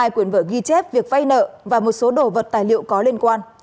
hai quyền vở ghi chép việc vay nợ và một số đồ vật tài liệu có liên quan